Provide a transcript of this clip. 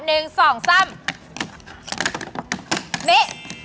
นี่